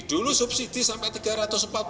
dulu subsidi sampai rp tiga